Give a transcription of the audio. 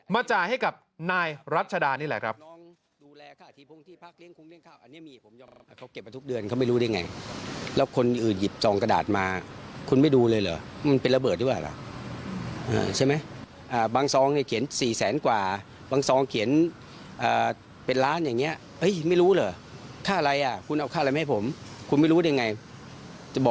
จ่ายให้กับนายรัชดานี่แหละครับ